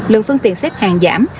lượng phương tiện xếp hàng giảm